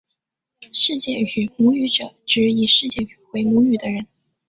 世界语母语者指以世界语为母语的人。